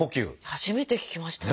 初めて聞きました。